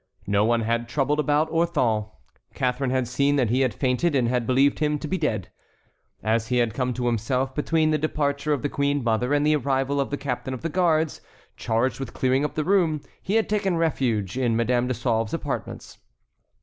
No one had troubled about Orthon. Catharine had seen that he had fainted and had believed him to be dead. As he had come to himself between the departure of the queen mother and the arrival of the captain of the guards charged with clearing up the room, he had taken refuge in Madame de Sauve's apartments.